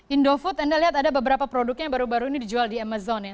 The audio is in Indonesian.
indofood anda lihat ada beberapa produknya yang baru baru ini dijual di amazon ya